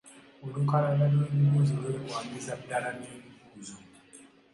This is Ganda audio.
Olukalala lw’ebibuuzo lwekwanyiza ddala n’ebibuuzo.